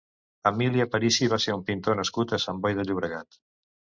Emili Aparici va ser un pintor nascut a Sant Boi de Llobregat.